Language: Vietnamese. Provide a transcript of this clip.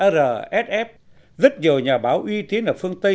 rsf rất nhiều nhà báo uy tín ở phương tây